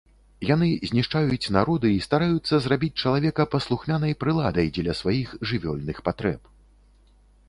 Яны знішчаюць народы і стараюцца зрабіць чалавека паслухмянай прыладай дзеля сваіх жывёльных патрэб.